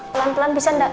pelan pelan bisa enggak